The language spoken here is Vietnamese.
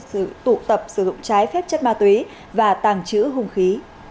đối tượng bị bắt giữ tụ tập sử dụng trái phép chất ma túy và tàng chữ hung khí